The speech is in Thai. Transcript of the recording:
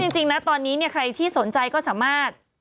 ซึ่งจริงนะตอนนี้เนี่ยใครที่สนใจก็สามารถ